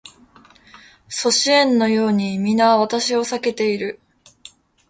阻止円のように皆私を避けている